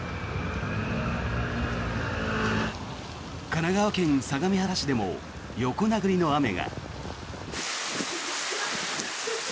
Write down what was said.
神奈川県相模原市でも横殴りの雨が。